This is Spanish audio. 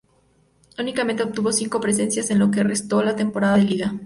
Únicamente obtuvo cinco presencias en lo que restó de la temporada de liga.